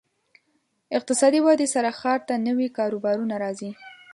اقتصادي ودې سره ښار ته نوي کاروبارونه راځي.